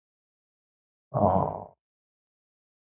地産地消を目指そう。